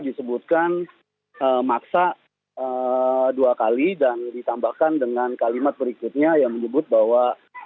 disebutkan maksa dua kali dan ditambahkan dengan kalimat berikutnya yang menyebut bahwa